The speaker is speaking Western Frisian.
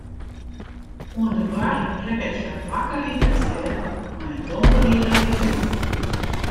Oan de bar rekket hja wakker yn petear mei in donkerhierrige jonge.